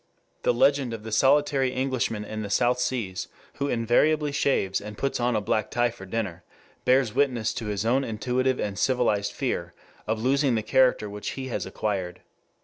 The legend of the solitary Englishman in the South Seas, who invariably shaves and puts on a black tie for dinner, bears witness to his own intuitive and civilized fear of losing the character which he has acquired.